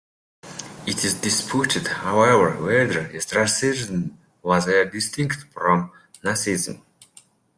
It is disputed, however, whether Strasserism was a distinct form of Nazism.